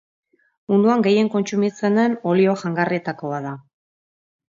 Munduan gehien kontsumitzen den olio jangarrietako bat da.